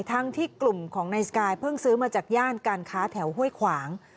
ทั้งที่กลุ่มของนายสกายเพิ่งซื้อมาจากย่านการค้าแถวห้วยขวาง